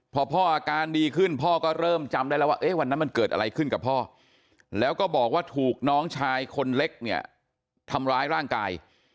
พอพ่ออาการดีขึ้นพ่อก็เริ่มจำได้แล้วว่าวันนั้นมันเกิดอะไรขึ้นกับพ่อแล้วก็บอกว่าถูกน้องชายคนเล็กเนี่ยทำร้ายร่างกาย